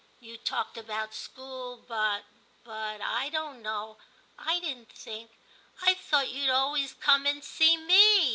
*You talked about school, but — but — I don't know — I didn't think; I thought you'd always come and see me.'